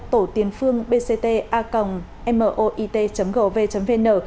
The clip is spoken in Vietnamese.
tổ tiên phương bcta moit gov vn